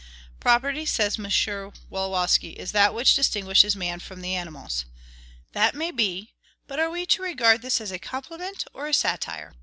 "Property," says M. Wolowski, "is that which distinguishes man from the animals." That may be; but are we to regard this as a compliment or a satire?